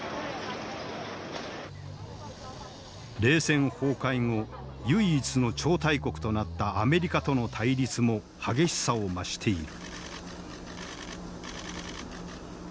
冷戦崩壊後唯一の超大国となったアメリカとの対立も激しさを増している。